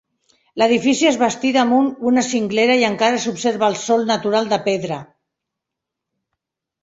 L'edifici es bastí damunt una cinglera i encara s'observa el sòl natural de pedra.